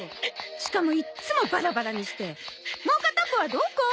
しかもいっつもバラバラにしてもう片っぽはどこ？